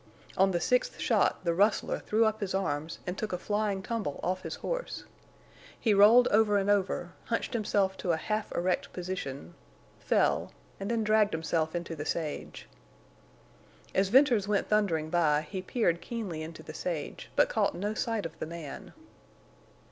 On the sixth shot the rustler threw up his arms and took a flying tumble off his horse. He rolled over and over, hunched himself to a half erect position, fell, and then dragged himself into the sage. As Venters went thundering by he peered keenly into the sage, but caught no sign of the man.